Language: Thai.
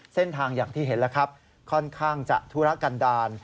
เส้นทางอย่างที่เห็นแล้วครับค่อนข้างจะธุระกันดาล